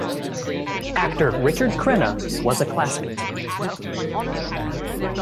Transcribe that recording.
Actor Richard Crenna was a classmate.